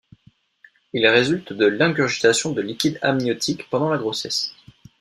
Il résulte de l'ingurgitation de liquide amniotique pendant la grossesse.